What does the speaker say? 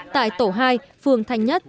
tại tổ hai phường thành nhất